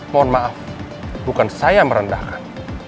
mohon maaf bukan saya merendahkan